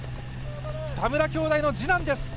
田村兄弟の次男です。